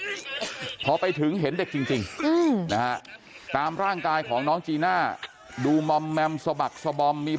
ที่พอไปถึงเห็นเด็กจริงอื้มตามร่างกายของน้องจีน่าดูบม